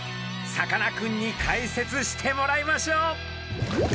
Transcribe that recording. さかなクンに解説してもらいましょう。